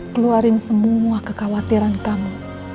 keluarin semua kekhawatiran kamu